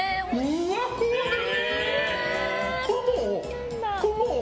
ふわふわです！